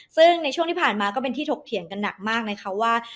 ซึ่งในช่วงที่ผ่านมาก็เป็นที่ถกเถียงกันหนักมากนะคะว่า